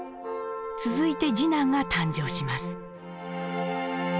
続いて次男が誕生します。